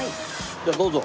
じゃあどうぞ。